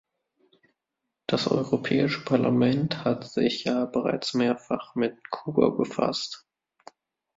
Das Europäische Parlament hat sich ja bereits mehrfach mit Kuba befasst.